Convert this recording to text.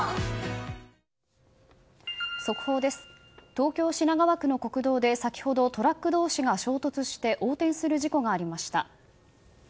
東京・品川区の国道で先ほどトラック同士が衝突して横転する事故がありました。